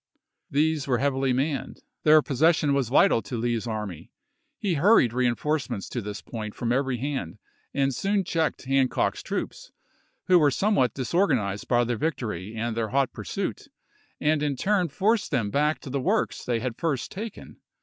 These were heavily manned; their possession was vital to Lee's army; he hurried reenforcements to this point from every hand, and soon checked Hancock's troops, who were somewhat disor ganized by their victory and their hot pursuit, and in turn forced them back to the works they had first taken.